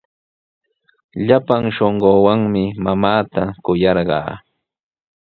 Llapan shunquuwanmi mamaata kuyarqaa.